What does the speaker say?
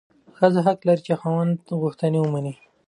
ښځه حق لري چې د خاوند غوښتنې ومني.